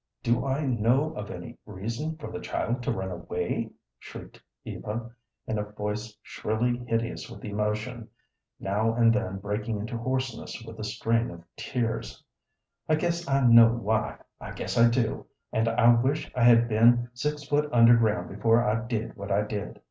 "Do I know of any reason for the child to run away?" shrieked Eva, in a voice shrilly hideous with emotion, now and then breaking into hoarseness with the strain of tears. "I guess I know why, I guess I do, and I wish I had been six foot under ground before I did what I did.